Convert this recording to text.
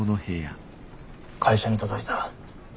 会社に届いた。